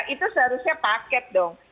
itu seharusnya paket dong